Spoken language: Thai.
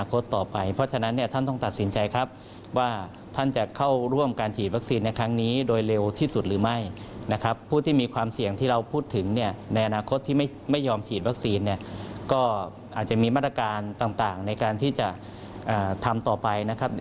ก็อาจจะมีมาตรการต่างในการที่จะทำต่อไปนะครับ